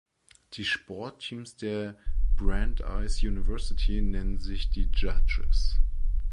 Die Sportteams der Brandeis University nennen sich die "Judges".